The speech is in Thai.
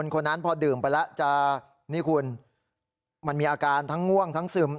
คนนั้นพอดื่มไปแล้วจะนี่คุณมันมีอาการทั้งง่วงทั้งซึม